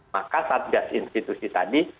maka satgas institusi tadi